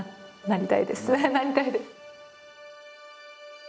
なりたいです！